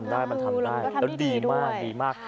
แต่อยู่เรียนดีมากดีมาก